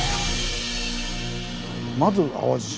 まず淡路島。